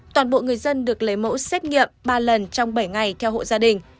toàn bộ người dân được lấy mẫu xét nghiệm ba lần trong bảy ngày theo hộ gia đình